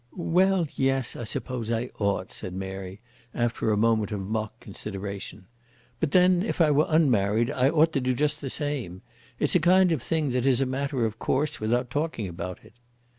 "Well, yes; I suppose I ought," said Mary, after a moment of mock consideration. "But then if I were unmarried I ought to do just the same. It's a kind of thing that is a matter of course without talking about it."